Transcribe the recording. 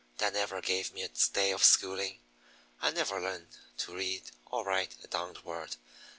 Dad never gave me a day of schooling. I never learned to read or write a darned word.